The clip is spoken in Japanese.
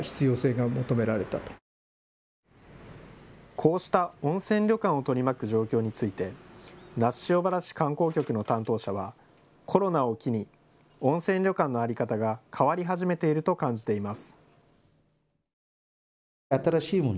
こうした温泉旅館を取り巻く状況について那須塩原市観光局の担当者はコロナを機に温泉旅館の在り方が変わり始めていると感じています。